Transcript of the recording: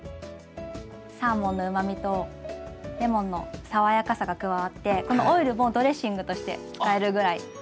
サーモンのうまみとレモンの爽やかさが加わってこのオイルもドレッシングとして使えるぐらい。